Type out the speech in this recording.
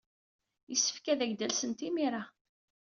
Yessefk ad ak-d-alsent imir-a.